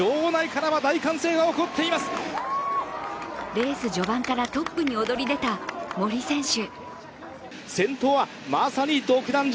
レース序盤からトップに躍り出た森選手。